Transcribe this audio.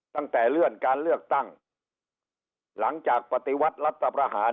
ตั้งแต่เลื่อนการเลือกตั้งหลังจากปฏิวัติรัฐประหาร